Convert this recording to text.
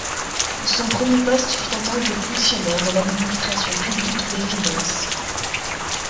Son premier poste fut en tant que fonctionnaire dans l'administration publique des finances.